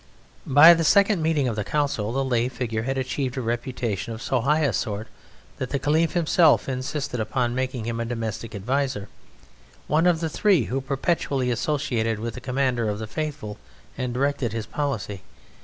By the second meeting of the council the lay figure had achieved a reputation of so high a sort that the Caliph himself insisted upon making him a domestic adviser, one of the three who perpetually associated with the Commander of the Faithful and directed his policy.